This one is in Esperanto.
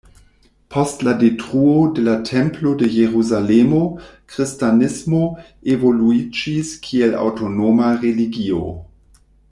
Post la detruo de la Templo de Jerusalemo, kristanismo evoluiĝis kiel aŭtonoma religio.